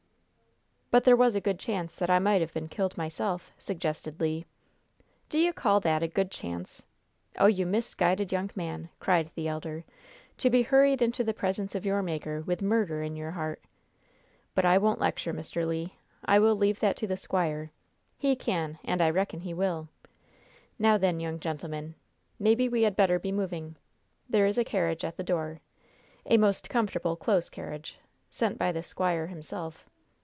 "But there was a good chance that I might have been killed myself," suggested Le. "D'y' call that 'a good chance'? Oh, you misguided young man!" cried the elder. "To be hurried into the presence of your Maker with murder in your heart! But I won't lecture, Mr. Le. I will leave that to the squire. He can, and I reckon he will. Now, then, young gentlemen, maybe we had better be moving. There is a carriage at the door a most comfortable close carriage sent by the squire himself.